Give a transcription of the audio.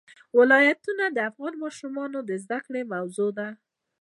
ولایتونه د افغان ماشومانو د زده کړې موضوع ده.